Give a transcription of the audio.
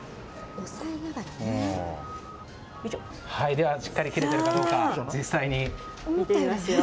では、しっかり切れたかどうか、見てみますよ。